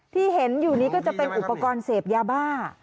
ที่เห็นอยู่นี้ก็จะเป็นอุปกรณ์เสพยาบ้า